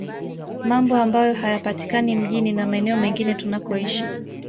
Mambo ambayo hayapatikani mjini na maeneo mengine tunakoishi